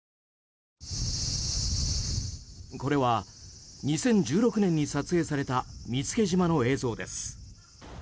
これは２０１６年に撮影された見附島の映像です。